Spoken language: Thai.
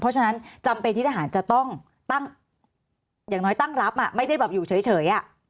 เพราะฉะนั้นจำเป็นที่ทหารจะต้องตั้งอย่างน้อยตั้งรับไม่ได้แบบอยู่เฉย